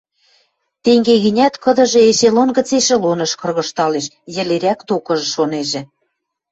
Тенге гӹнят кыдыжы эшелон гӹц эшелоныш кыргыжталеш, йӹлерӓк токыжы шонежӹ.